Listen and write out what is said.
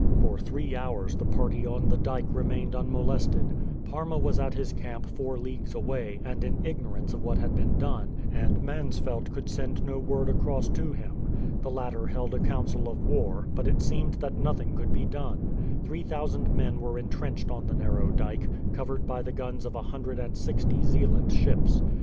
For three hours the party on the dyke remained unmolested. Parma was at his camp four leagues away, and in ignorance of what had been done, and Mansfeldt could send no word across to him. The latter held a council of war, but it seemed that nothing could be done. Three thousand men were entrenched on the narrow dyke, covered by the guns of a hundred and sixty Zeeland ships.